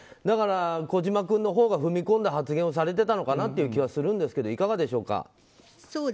だから、児嶋さんのほうが踏み込んだ発言をされてたのかなという気はするんですけどいかがでしょうか。